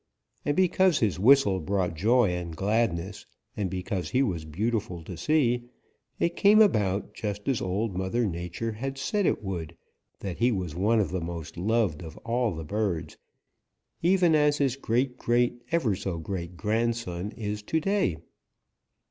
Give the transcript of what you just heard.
And because his whistle brought joy and gladness, and because he was beautiful to see, it came about just as Old Mother Nature had said it would, that he was one of the most loved of all the birds, even as his great great ever so great grandson is to day."